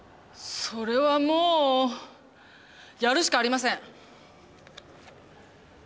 それはもうやるしかありません！